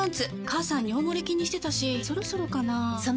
母さん尿モレ気にしてたしそろそろかな菊池）